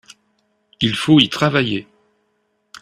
Il faut y travailler.